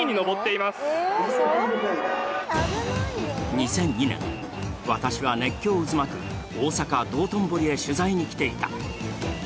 ２００２年、私は熱狂渦巻く大阪・道頓堀へ取材に来ていた。